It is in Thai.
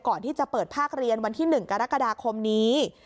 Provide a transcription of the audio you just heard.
ก่อนที่จะเปิดภาคเรียนวันที่๑กรกฎาคมนี้